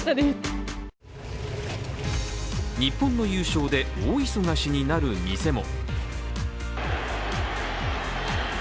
日本の優勝で大忙しになる店も。